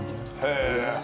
へえ！